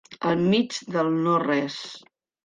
Al mig del no res.